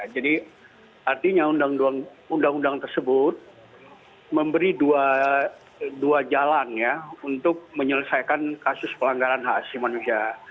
jadi artinya undang undang tersebut memberi dua jalan ya untuk menyelesaikan kasus pelanggaran hak asasi manusia